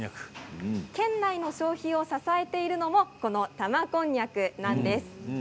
県内の消費を支えているのもこの玉こんにゃくなんです。